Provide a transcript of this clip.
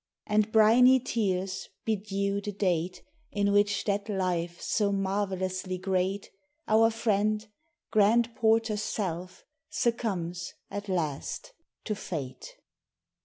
And briny tears bedew the date In which that life so marvellously great, Our friend grand Porter's self succumbs, at last, to Fate.